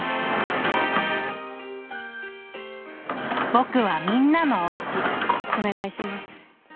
「ぼくはみんなのおうち」お願いします